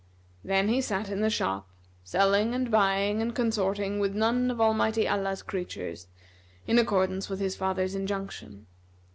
Then he sat in the shop, selling and buying and consorting with none of Almighty Allah's creatures, in accordance with his father's injunction.